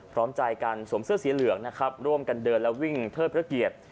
พร้อมใจกันสวมเสื้อสีเหลืองนะครับร่วมกันเดินและวิ่งเทิดพระเกียรติ